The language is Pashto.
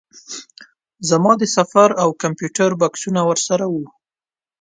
زما د سفر او کمپیوټر بکسونه ورسره وو.